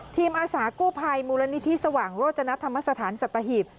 อาสากู้ภัยมูลนิธิสว่างโรจนธรรมสถานสัตหีบ